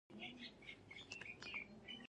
زه د املا تېروتنې اصلاح کوم.